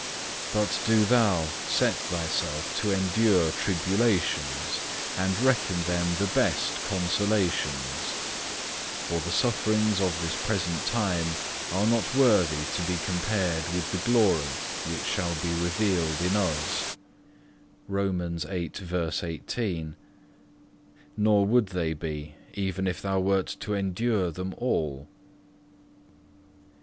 But do thou set thyself to endure tribulations, and reckon them the best consolations; for the sufferings of this present time are not worthy to be compared with the glory which shall be revealed in us,(4) nor would they be even if thou wert to endure them all.